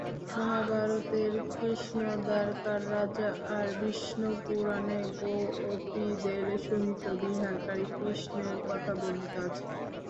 মহাভারতের কৃষ্ণ দ্বারকার রাজা, আর বিষ্ণুপুরাণে গোপীদের সহিত বিহারকারী কৃষ্ণের কথা বর্ণিত আছে।